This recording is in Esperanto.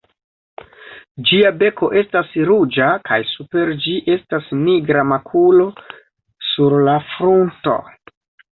Ĝia beko estas ruĝa kaj super ĝi estas nigra makulo sur la frunto.